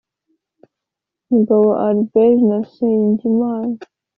mugabo abel na nsengimana